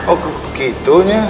oh gitu nya